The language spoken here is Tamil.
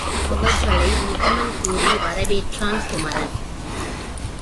அவர்களை முகமன் கூறி வரவேற்றான் குமரன்.